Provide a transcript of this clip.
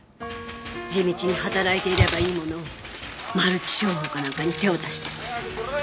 地道に働いていればいいものをマルチ商法かなんかに手を出して借金作って。